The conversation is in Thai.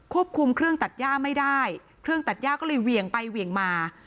คุมเครื่องตัดย่าไม่ได้เครื่องตัดย่าก็เลยเหวี่ยงไปเหวี่ยงมา